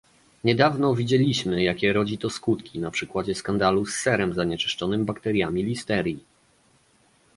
Niedawno widzieliśmy, jakie rodzi to skutki, na przykładzie skandalu z serem zanieczyszczonym bakteriami listerii